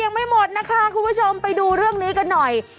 ยังไม่หมดนะคะคุณผู้ชมไปดูเรื่องนี้กันหน่อย